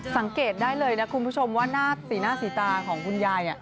สังเกตได้เลยนะคุณผู้ชมว่าหน้าสีหน้าสีตาของคุณยาย